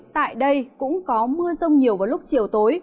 tại đây cũng có mưa rông nhiều vào lúc chiều tối